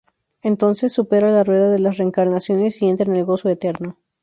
Entonces, supera la rueda de las reencarnaciones y entra en el gozo eterno.